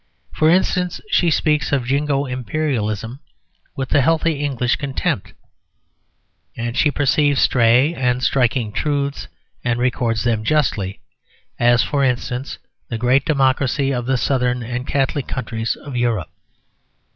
For instance, she speaks of Jingo Imperialism with a healthy English contempt; and she perceives stray and striking truths, and records them justly as, for instance, the greater democracy of the Southern and Catholic countries of Europe.